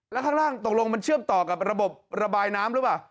แล้วข้างล่างตกลงมันเชื่อมต่อกับระบบระบายน้ำหรือเปล่า